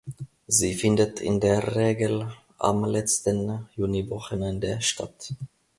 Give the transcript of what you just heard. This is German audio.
Sie findet in der Regel am letzten Juniwochenende statt.